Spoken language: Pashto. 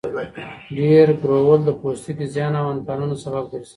ډېر ګرول د پوستکي زیان او انتاناتو سبب ګرځي.